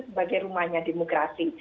sebagai rumahnya demokrasi